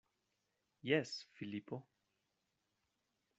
Jes, Filipo.